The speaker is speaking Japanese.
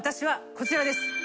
こちらです。